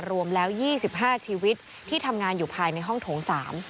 รวมแล้ว๒๕ชีวิตที่ทำงานอยู่ภายในห้องโถง๓